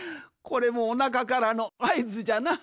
これもおなかからのあいずじゃな。